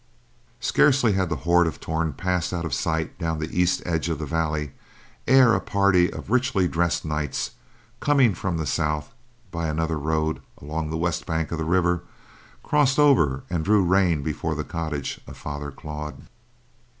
Scarcely had the horde of Torn passed out of sight down the east edge of the valley ere a party of richly dressed knights, coming from the south by another road along the west bank of the river, crossed over and drew rein before the cottage of Father Claude.